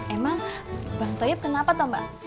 emang bang toib kenapa tuh mbak